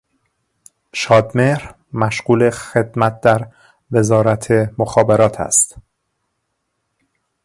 شادمهر مشغول خدمت در وزارت مخابرات است